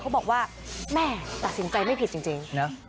เขาบอกว่าแม่ตัดสินใจไม่ผิดจริงนะ